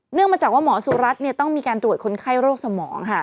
มาจากว่าหมอสุรัตน์ต้องมีการตรวจคนไข้โรคสมองค่ะ